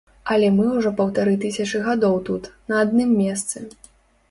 Але мы ўжо паўтары тысячы гадоў тут, на адным месцы.